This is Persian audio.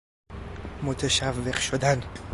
متشوق شدن